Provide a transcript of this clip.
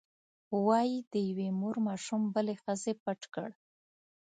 وایي د یوې مور ماشوم بلې ښځې پټ کړ.